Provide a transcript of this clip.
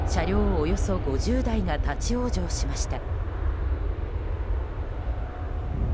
およそ５０台が立ち往生しました。